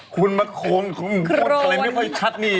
คุณมาโครนไม่ค่อยชัดนี่